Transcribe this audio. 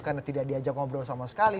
karena tidak diajak ngobrol sama sekali